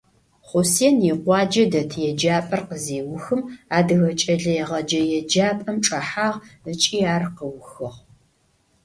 Хъусен икъуаджэ дэт еджапӀэр къызеухым, Адыгэ кӀэлэегъэджэ еджапӀэм чӀэхьагъ ыкӀи ар къыухыгъ.